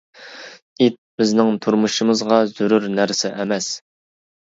ئىت بىزنىڭ تۇرمۇشىمىزغا زۆرۈر نەرسە ئەمەس.